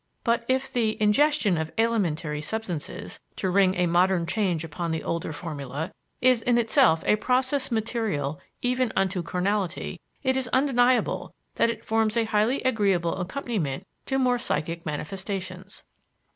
But if "the ingestion of alimentary substances" to ring a modern change upon the older formula is in itself a process material even unto carnality, it is undeniable that it forms a highly agreeable accompaniment to more psychic manifestations.